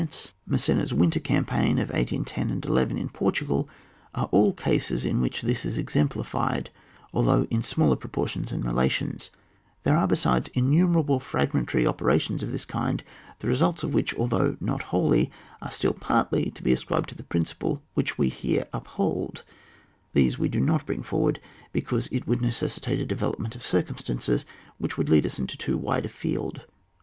178 Massena's winter campaign of 1810 — 11 in Portugal, are all cases in which this is exemplified, although in smaller propor tions and relations; there are besides innumerable fragmentary operations of this kind, the results of which, although not wholly, are still partly to be ascribed to the principle which we here uphold ; these we do not bring forward, because it would necessitate a development of circumstances which would lead us into too wide a field.